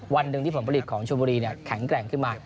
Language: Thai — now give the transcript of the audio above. วันหนึ่งที่ผลผลิตของชมบุรีแข็งแกร่งขึ้นมา